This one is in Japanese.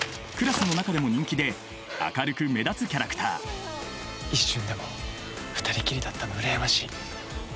クラスの中でも人気で明るく目立つキャラクター一瞬でも２人きりだったの羨ましい。